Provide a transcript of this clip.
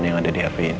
yang ada di hp ini